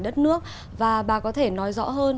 đất nước và bà có thể nói rõ hơn